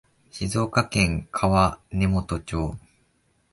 静岡県川根本町